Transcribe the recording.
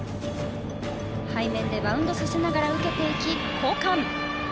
背面でバウンドさせながら受けていき、交換。